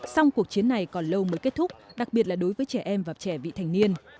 song cuộc chiến này còn lâu mới kết thúc đặc biệt là đối với trẻ em và trẻ vị thành niên